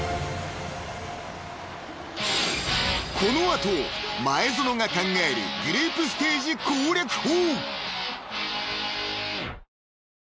［この後前園が考えるグループステージ攻略法］